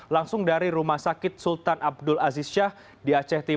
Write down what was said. langsung dari rumah sakit sultan abdul aziz syah di aceh